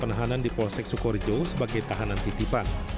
penahanan di polsek sukorejo sebagai tahanan titipan